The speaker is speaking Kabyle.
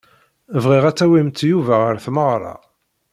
Bɣiɣ ad tawimt Yuba ɣer tmeɣra.